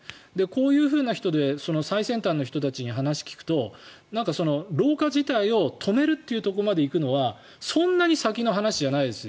こういう人で最先端の人たちに話を聞くと老化自体を止めるというところまで行くのはそんなに先の話じゃないです